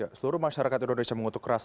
seluruh masyarakat indonesia mengutuk keras